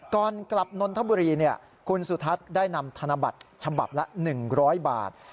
ก่อนกลับนนทบุรีคุณสุทัศน์ได้นำธนบัตรฉบับละ๑๐๐บาท